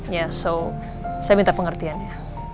ya so saya minta pengertian ya